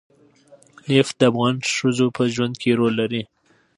نفت د افغان ښځو په ژوند کې رول لري.